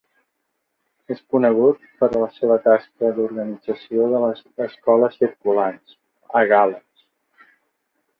És conegut per la seva tasca d'organització de les "escoles circulants" a Gal·les.